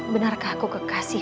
benarkah aku kekasih